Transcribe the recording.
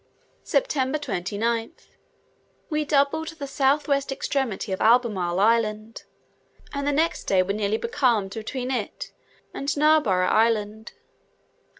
September 29th. We doubled the south west extremity of Albemarle Island, and the next day were nearly becalmed between it and Narborough Island.